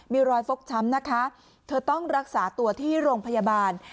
มีรอยฟกช้ำนะคะเธอต้องรักษาตัวที่โรงพยาบาล